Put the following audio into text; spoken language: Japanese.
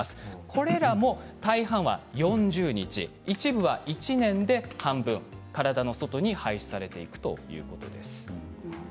これらも大半は４０日一部は１年で半分体の外に排出されるということです。